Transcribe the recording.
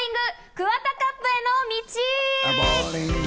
ＫＵＷＡＴＡＣＵＰへの道！